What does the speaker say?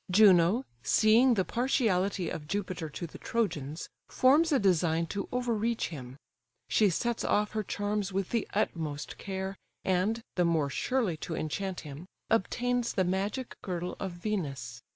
Juno, seeing the partiality of Jupiter to the Trojans, forms a design to over reach him: she sets off her charms with the utmost care, and (the more surely to enchant him) obtains the magic girdle of Venus.